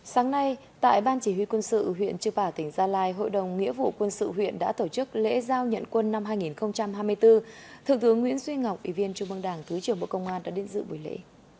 sáng nay tại ban chỉ huy quân sự huyện trư bảo tỉnh gia lai hội đồng nghĩa vụ quân sự huyện đã tổ chức lễ giao nhận quân năm hai nghìn hai mươi bốn thượng tướng nguyễn duy ngọc ủy viên trung băng đảng thứ trưởng bộ công an đã đến dự buổi lễ